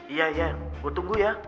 iya iya gue tunggu ya